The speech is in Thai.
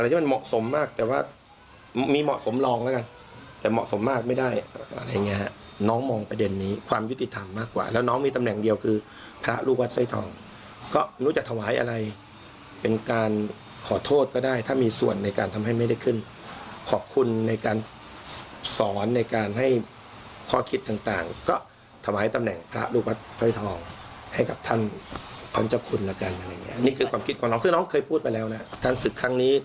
อะไรที่มันเหมาะสมมากแต่ว่ามีเหมาะสมลองแล้วกันแต่เหมาะสมมากไม่ได้อะไรอย่างนี้น้องมองประเด็นนี้ความยุติธรรมมากกว่าแล้วน้องมีตำแหน่งเดียวคือพระลูกวัดสร้อยทองก็รู้จะถวายอะไรเป็นการขอโทษก็ได้ถ้ามีส่วนในการทำให้ไม่ได้ขึ้นขอบคุณในการสอนในการให้ข้อคิดต่างก็ถวายตำแหน่งพระลูกวัดสร้อยทองให้กับท่าน